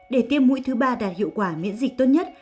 để tiêm mũi thứ ba đạt hiệu quả miễn dịch tốt nhất